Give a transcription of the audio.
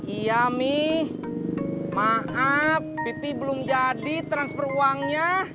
iya nih maaf pipi belum jadi transfer uangnya